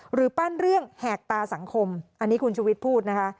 ปั้นเรื่องแหกตาสังคมอันนี้คุณชุวิตพูดนะคะ